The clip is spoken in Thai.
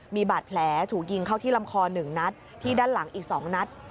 มีบาดแผลถูกยิงเข้าที่ลำคอ๑นัดที่ด้านหลังอีก๒นัด